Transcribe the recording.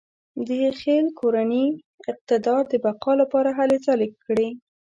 د خپل کورني اقتدار د بقا لپاره هلې ځلې کړې.